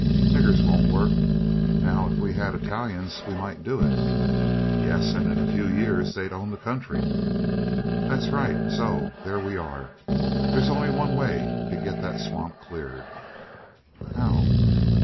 "Niggers won't work. Now if we had Italians we might do it." "Yes, and in a few years they'd own the country." "That's right; so there we are. There's only one way to get that swamp cleared." "How?"